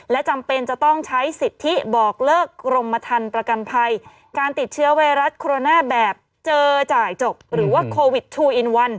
และจำเป็นจะต้องใช้สิทธิบอกเลิกกรมทันประกันภัยการติดเชื้อไวรัสโคโรนาแบบเจอจ่ายจบหรือว่าโควิดทูอินวัน